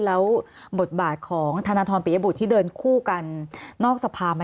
แล้วบทบาทของธนทรปิยบุตรที่เดินคู่กันนอกสภา